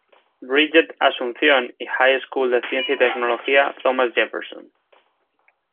Bridget Asunción y High School de Ciencia y Tecnología Thomas Jefferson.